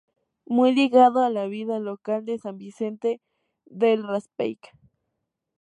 Muy ligado a la vida local de San Vicente del Raspeig.